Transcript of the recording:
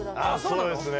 そうですね